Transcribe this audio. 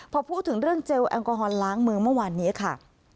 พอพูดถึงเรื่องเจลแอลกอฮอลล้างมือเมื่อวานนี้ค่ะ